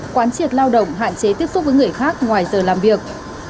quán triệt lao động hạn chế tiếp xúc với người khác ngoài giờ làm việc